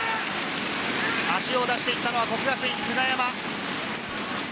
足を出していったのは國學院久我山。